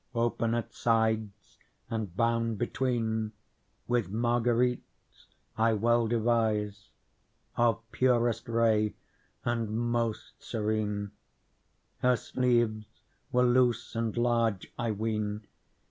Open at sides, and bound between With marguerites, I well devise. Of purest ray and most serene ; Her sleeves were loose and large, I ween.